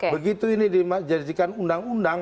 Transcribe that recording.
begitu ini dijadikan undang undang